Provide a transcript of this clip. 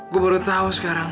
gue baru tau sekarang